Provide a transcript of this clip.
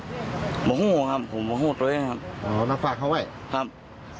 หม้อตรศรีครับผมหม้อตรศรีตัวเองครับอ๋อแล้วฝากเขาไว้ครับ